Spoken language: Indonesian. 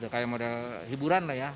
kayak model hiburan lah ya